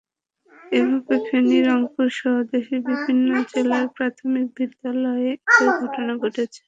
এভাবে ফেনী, রংপুরসহ দেশের বিভিন্ন জেলার প্রাথমিক বিদ্যালয়ে একই ঘটনা ঘটেছে।